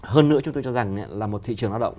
hơn nữa chúng tôi cho rằng là một thị trường lao động